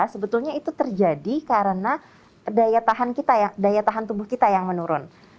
sebetulnya itu terjadi karena daya tahan tubuh kita yang menurun